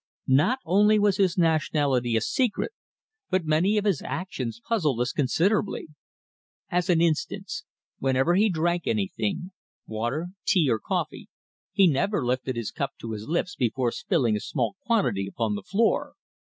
Not only was his nationality a secret, but many of his actions puzzled us considerably. As an instance, whenever he drank anything, water, tea, or coffee, he never lifted his cup to his lips before spilling a small quantity upon the floor.